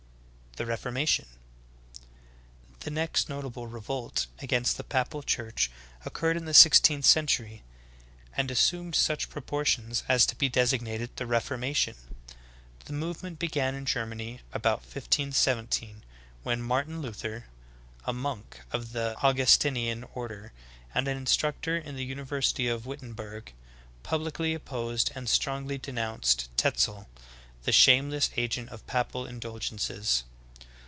"^ THE REFORMATION. 6. The next notable revolt against the papal Church oc curred in the sixteenth century, and assumed such propor tions as to be designated the Reformation. The movement began in Germany about 1517, when Martin Luther, a monk of the Augustinian order and an instructor in the University of Wittenberg, publicly opposed and strongly denounced Tetzel, the shameless agent of papal indulgences.